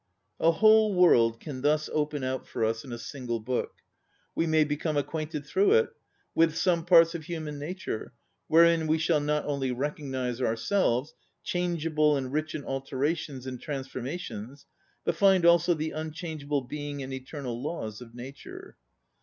A whole world can thus open out for us in a single book. We may become acquainted through it with' some parts of human nature, wherein we shall not only recognize ourselves, ŌĆö changeable and rich in alterations and transformations, ŌĆö but find also the unchangeable being and eternal laws of Nature.